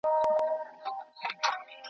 د ا یوازي وه په کټ کي نیمه شپه وه .